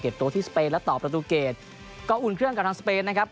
ตัวที่สเปนและต่อประตูเกรดก็อุ่นเครื่องกับทางสเปนนะครับ